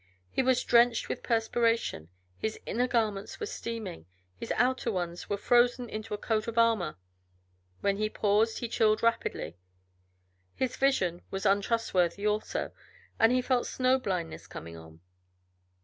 He was drenched with perspiration, his inner garments were steaming, his outer ones were frozen into a coat of armor; when he paused he chilled rapidly. His vision was untrustworthy, also, and he felt snow blindness coming on.